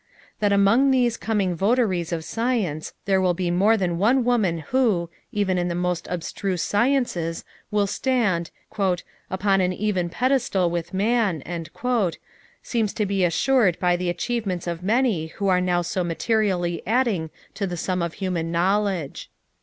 That among these coming votaries of science there will be more than one woman who, even in the most abstruse sciences, will stand "Upon an even pedestal with man," seems to be assured by the achievements of many who are now so materially adding to the sum of human knowledge.